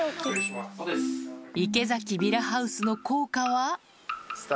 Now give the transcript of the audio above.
池崎ヴィラハウスの効果は？